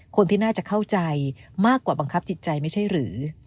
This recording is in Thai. คนที่น่าจะเข้าใจมากกว่าบังคับจิตใจไม่ใช่หรือ